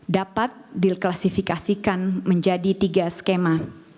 dapat diklasifikasikan menjadi tiga skema